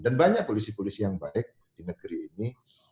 dan banyak polisi polisi yang baik di negeri ini